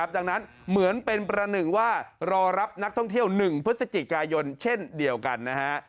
ดังนั้นเหมือนเป็นประหนึ่งว่ารอรับนักท่องเที่ยว๑พฤศจิกายนเช่นเดียวกันนะฮะ